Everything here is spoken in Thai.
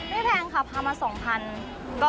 ไม่แพงพามา๒๐๐๐บาท